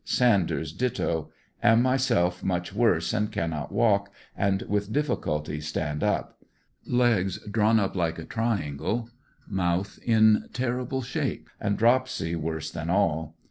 Sanders ditto. Am myself much worse, and cannot walk, and with difficulty stand up. Legs drawn up like a triangle, mouth in terrible shape, and dropsy worse than all.